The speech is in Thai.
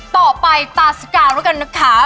ต่อไปต่อสกาลว่วกันนะคะ